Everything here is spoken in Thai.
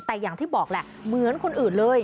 แต่อย่างที่บอกแหละเหมือนคนอื่นเลย